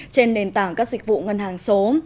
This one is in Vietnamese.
trên nền tảng các dịch vụ ngân hàng số